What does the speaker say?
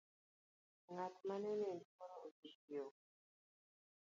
Ng'at mane nindo koro osechiewo.